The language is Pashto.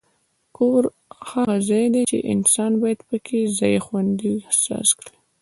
کور هغه ځای دی چې انسان باید پکې ځان خوندي احساس کړي.